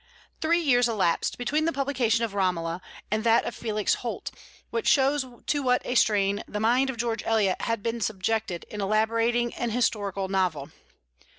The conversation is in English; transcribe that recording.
'" Three years elapsed between the publication of "Romola" and that of "Felix Holt," which shows to what a strain the mind of George Eliot had been subjected in elaborating an historical novel.